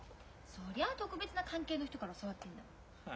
そりゃあ特別な関係の人から教わってんだもん。